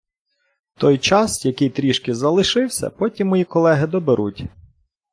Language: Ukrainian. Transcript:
Той час, який трішки залишився, потім мої колеги доберуть.